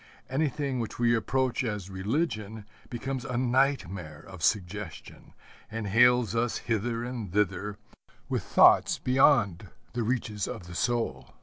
Anything which we approach as religion becomes a nightmare of suggestion, and hales us hither and thither with thoughts beyond the reaches of the soul.